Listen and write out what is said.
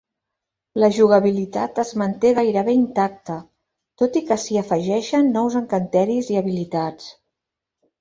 La jugabilitat es manté gairebé intacta, tot i que s'hi afegeixen nous encanteris i habilitats.